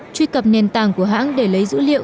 truy cập nền tảng của hãng để lấy dữ liệu